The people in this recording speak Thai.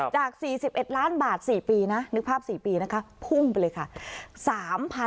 จาก๔๑ล้านบาท๔ปีนะนึกภาพ๔ปีนะคะพุ่งไปเลยค่ะ